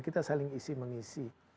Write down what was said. kita saling isi mengisi